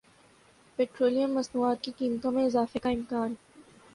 petroleum مصنوعات کی قیمتوں میں اضافے کا امکان